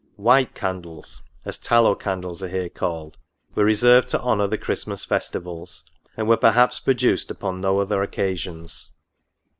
White candles, as tallow candles are here called, were reserved to honour the Christmas festivals, and were perhaps produced upon no other occasions.